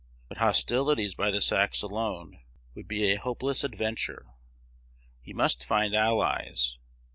But hostilities by the Sacs alone would be a hopeless adventure. He must find allies.